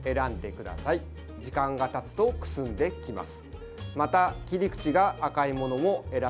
これも時間がたつとくすんできます。